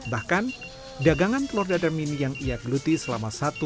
bahkan dagangan telur dadar mini yang ia geluti selama satu tahun